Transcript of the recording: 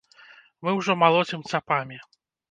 Мы ўжо малоцім цапамі.